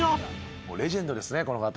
レジェンドですねこの方